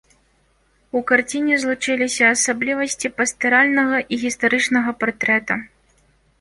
У карціне злучыліся асаблівасці пастаральнага і гістарычнага партрэта.